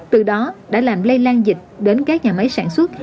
từ đó đã làm lây lan dịch đến các nhà máy sản xuất